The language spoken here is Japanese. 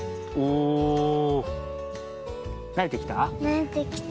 なれてきた？